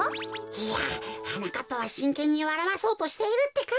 いやはなかっぱはしんけんにわらわそうとしているってか。